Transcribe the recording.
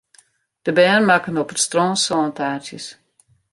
De bern makken op it strân sântaartsjes.